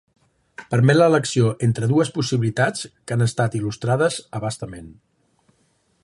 Permet l'elecció entre dues possibilitats que han estat il·lustrades a bastament.